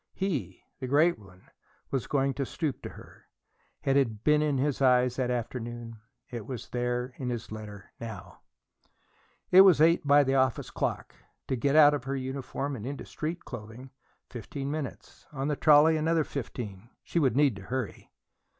He, the great one, was going to stoop to her. It had been in his eyes that afternoon; it was there, in his letter, now. It was eight by the office clock. To get out of her uniform and into street clothing, fifteen minutes; on the trolley, another fifteen. She would need to hurry.